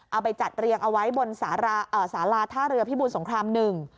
เอาไปจัดเรียงเอาไว้บนสารเอ่อสาราท่าเรือพิบูรสงครามหนึ่ง